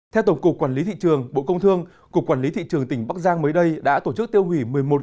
theo tổng cục quản lý thị trường bộ công thương cục quản lý thị trường tỉnh bắc giang mới đây đã tổ chức tiêu hủy